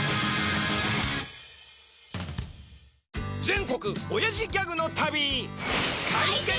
全国おやじギャグの旅！